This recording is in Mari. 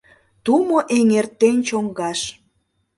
Тумо эҥертен чоҥгаш.